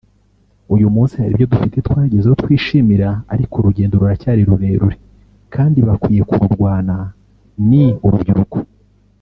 uyu munsi hari ibyo dufite twagezeho twishimira ariko urugendo ruracyari rurerure kandi bakwiye kururwana ni urubyiruko